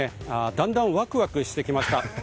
だんだんワクワクしてきました。